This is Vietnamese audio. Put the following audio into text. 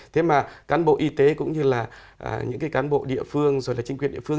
thế mà cán bộ y tế cũng như là những cái cán bộ địa phương rồi là chính quyền địa phương